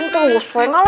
tidak seperti kamu